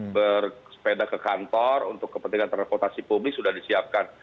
bersepeda ke kantor untuk kepentingan transportasi publik sudah disiapkan